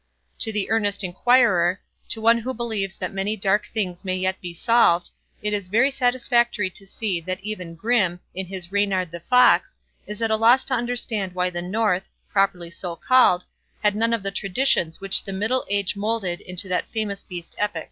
To the earnest inquirer, to one who believes that many dark things may yet be solved, it is very satisfactory to see that even Grimm, in his Reynard the Fox, is at a loss to understand why the North, properly so called, had none of the traditions which the Middle Age moulded into that famous Beast Epic.